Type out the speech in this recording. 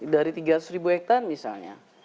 dari tiga ratus ribu hektare misalnya